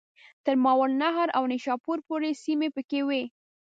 تر ماوراءالنهر او نیشاپور پوري سیمي پکښي وې.